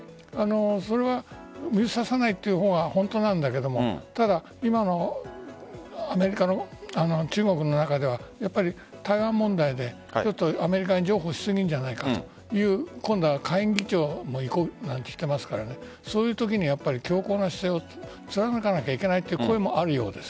それは水を差さないという方が本当だけどただ、今の中国の中では台湾問題でちょっとアメリカに譲歩しすぎているんじゃないかという下院議長も行こうなんて言っていますからそういうときに強硬な姿勢を貫かれてはいけないという声もあります。